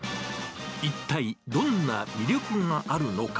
一体、どんな魅力があるのか。